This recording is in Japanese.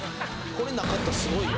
これなかったらすごいよ